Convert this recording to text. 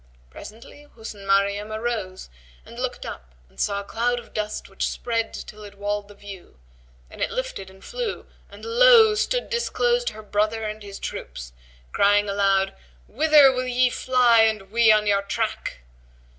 Presently Husn Maryam arose and looked up and saw a cloud of dust which spread till it walled the view, then it lifted and flew, and lo! stood disclosed her brother and his troops, crying aloud, "Whither will ye fly, and we on your track!"